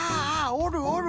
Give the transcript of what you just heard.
おるおる！